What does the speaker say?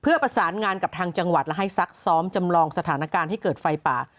เพื่อประสานงานกับทางจังหวัดและให้ซักซ้อมจำลองสถานการณ์ให้เกิดไฟป่า